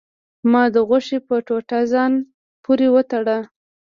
ما د غوښې په ټوټه ځان پورې وتړه.